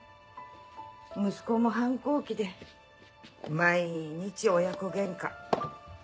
息子も反抗期で毎日親子喧嘩。